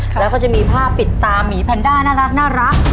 แล้วก็จะมีผ้าปิดตามีแพนด้าน่ารัก